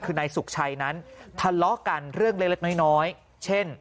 คือนายสุขชัยนั้นทะเลาะกันเรื่องเล็กน้อยเช่น